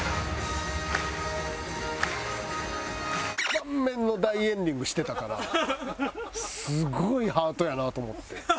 満面の大エンディングしてたからすごいハートやなと思って。